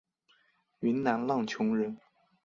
云南浪穹人。